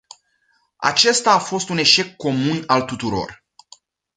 Acesta a fost un eșec comun al tuturor.